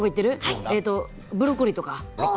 ブロッコリーとか？